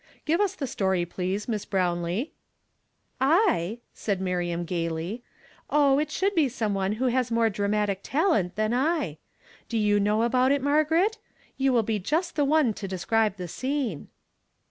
Give us the story, please, INIiss Brownlee." "I?" said ]\Iiriam, gayly. " Oh, it should be some one who has more dramatic talent than 1 1 Do you know about it, Margaret? You will be just the one to describe the scene."